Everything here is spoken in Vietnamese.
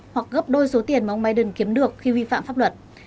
hoặc gấp đôi số tiền mà ông biden kiếm được khi vi phạm pháp luật